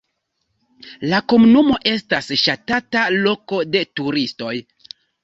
La komunumo estas ŝatata loko de turistoj.